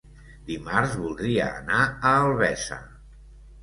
Dimarts voldria anar a Albesa.